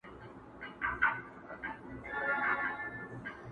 څنکه چي خاموشه دریابو کي ملغلري دي,